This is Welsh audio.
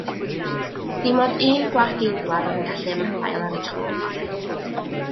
Dim ond un gwarchgeidwad oedd yn gallu ymadael ar y tro.